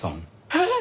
えっ！？